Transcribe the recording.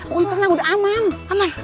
kok gitu nah udah aman aman